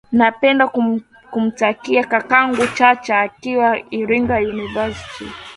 napenda kumtakia kakangu chacha akiwa iringa university